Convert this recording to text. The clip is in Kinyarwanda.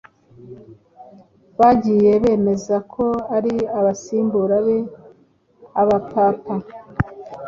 bagiye bemeza ko ari abasimbura be abapapa